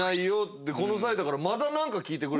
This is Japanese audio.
でこの際だからまだなんか聞いてくる。